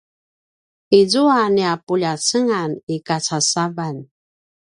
izua nia puljacengan i kacasavan